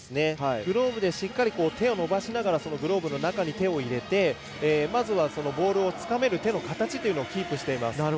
グローブでしっかり手を伸ばしながらグローブの中に手を入れてボールをつかめる手の形をキープしています。